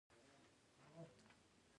سیلابونه د افغان ماشومانو د لوبو موضوع ده.